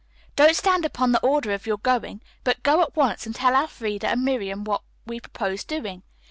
"Don't stand upon the order of your going, but go at once and tell Elfreda and Miriam what we propose doing.